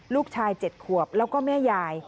ลูกชาย๗ขวบแล้วก็แม่ยาย